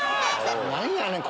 何やねん！